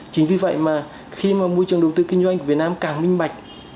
chính vì vậy mà khi mà môi trường đầu tư kinh doanh của việt nam càng minh bạch